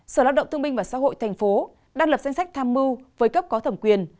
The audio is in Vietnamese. sở lao động thương minh và xã hội thành phố đang lập danh sách tham mưu với cấp có thẩm quyền